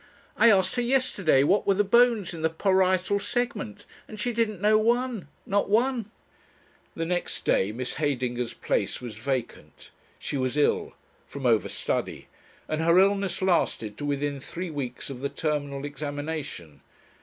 "I asked her yesterday what were the bones in the parietal segment, and she didn't know one. Not one." The next day Miss Heydinger's place was vacant. She was ill from overstudy and her illness lasted to within three weeks of the terminal examination.